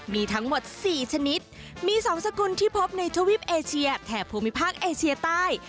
มีทั้งหมด๔ชนิดมี๒สกุลที่พบในทวีปเอเชียแถบภูมิภาคเอเชียใต้